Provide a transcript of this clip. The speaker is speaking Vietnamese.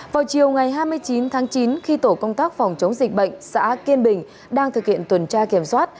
vào chiều ngày hai mươi chín tháng chín khi tổ công tác phòng chống dịch bệnh xã kiên bình đang thực hiện tuần tra kiểm soát